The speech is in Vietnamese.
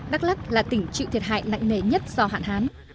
đắk lắk là tỉnh chịu thiệt hại nạnh nề nhất do hạn hán